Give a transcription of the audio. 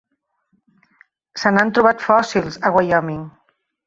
Se n'han trobat fòssils a Wyoming.